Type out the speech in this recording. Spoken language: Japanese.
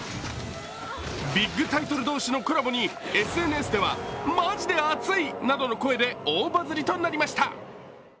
ビッグタイトル同士のコラボにＳＮＳではマジで熱い！などの声で大バズりとなりました。